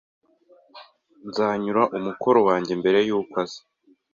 Nzanyura umukoro wanjye mbere yuko aza.